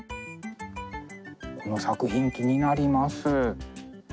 この作品気になります。